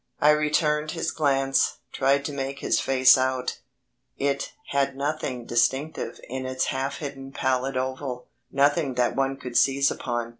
I returned his glance, tried to make his face out. It had nothing distinctive in its half hidden pallid oval; nothing that one could seize upon.